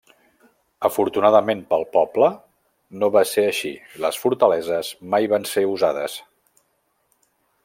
Afortunadament pel poble, no va ser així, les fortaleses mai van ser usades.